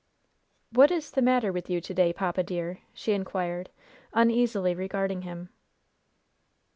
"What is the matter with you to day, papa, dear?" she inquired, uneasily regarding him.